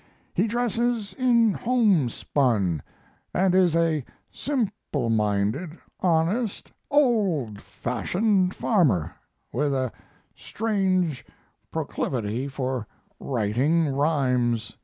He dresses in homespun, and is a simple minded, honest, old fashioned farmer, with a strange proclivity for writing rhymes.